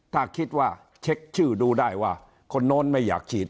ถ้าคิดว่าเช็คชื่อดูได้ว่าคนโน้นไม่อยากฉีด